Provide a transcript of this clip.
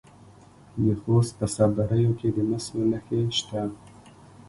د خوست په صبریو کې د مسو نښې شته.